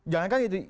jangan kan gitu